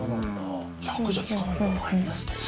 １００じゃきかないんだ。